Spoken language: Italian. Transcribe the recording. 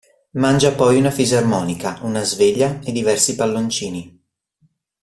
Mangia poi una fisarmonica, una sveglia e diversi palloncini.